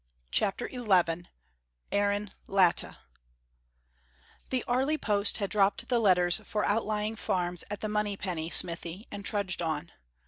CHAPTER XI AARON LATTA The Airlie post had dropped the letters for outlying farms at the Monypenny smithy and trudged on.